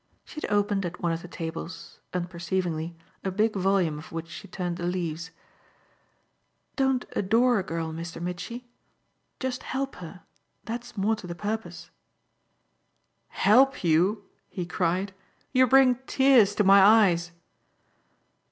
She had opened at one of the tables, unperceivingly, a big volume of which she turned the leaves. "Don't 'adore' a girl, Mr. Mitchy just help her. That's more to the purpose." "Help you?" he cried. "You bring tears to my eyes!"